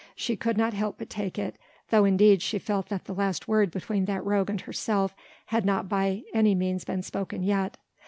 She could not help but take it, though indeed she felt that the last word between that rogue and herself had not by any means been spoken yet.